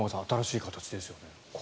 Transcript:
新しい形ですよね。